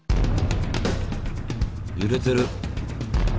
ゆれてる。